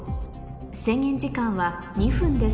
制限時間は２分です